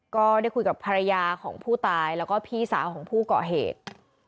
ก็ได้คุยกับภรรยาของผู้ตายแล้วก็พี่สาวของผู้เกาะเหตุ